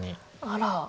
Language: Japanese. あら。